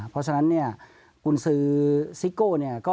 เพราะฉะนั้นคุณศือซิโก้